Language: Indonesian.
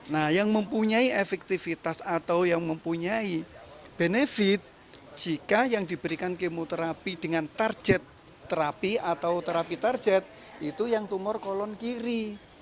nah yang mempunyai efektivitas atau yang mempunyai benefit jika yang diberikan kemoterapi dengan target terapi atau terapi target itu yang tumor kolon kiri